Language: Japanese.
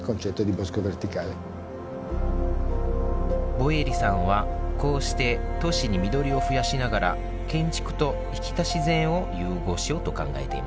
ボエリさんはこうして都市に緑を増やしながら建築と生きた自然を融合しようと考えています。